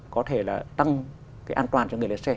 có thể tăng an toàn cho người lái xe